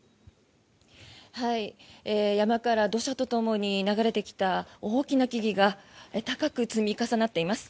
山から土砂とともに流れてきた大きな木々が高く積み重なっています。